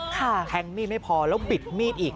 แทงมีดไม่พอแล้วบิดมีดอีก